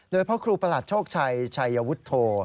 โดยพระครูประหลัดโชคชัยชัยวุฒโธ